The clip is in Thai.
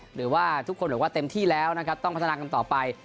หรือว่าทุกคนบอกว่าเต็มที่แล้วนะครับต้องพัฒนากันต่อไป